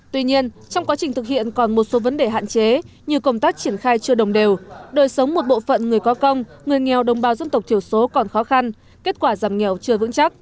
tuy nhiên trong quá trình thực hiện còn một số vấn đề hạn chế như công tác triển khai chưa đồng đều đời sống một bộ phận người có công người nghèo đồng bào dân tộc thiểu số còn khó khăn kết quả giảm nghèo chưa vững chắc